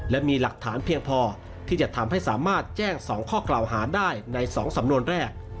และมีหลักฐานเพียงพอที่จะทำให้สามารถแจ้ง๒ข้อกล่าวหาได้ใน๒สำนวนแรก